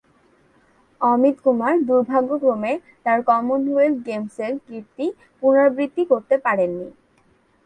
অমিত কুমার দুর্ভাগ্যক্রমে তাঁর কমনওয়েলথ গেমসের কীর্তি পুনরাবৃত্তি করতে পারেন নি।